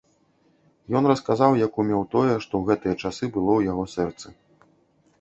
Ён расказаў як умеў тое, што ў гэтыя часы было ў яго сэрцы.